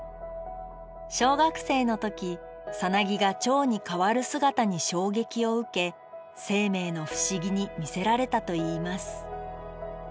小学生の時サナギがチョウに変わる姿に衝撃を受け生命の不思議に魅せられたといいます。